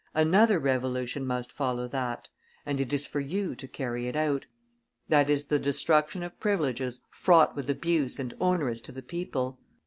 Another revolution must follow that, and it is for you to carry it out: that is the destruction of privileges fraught with abuse and onerous to the people.